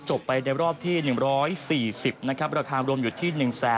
จบไปได้รอบที่๑๔๐บาทราคารมรมอยู่ที่